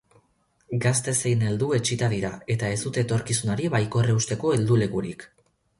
Gazte zein heldu etsita dira, eta ez dute etorkizunari baikor eusteko heldulekurik.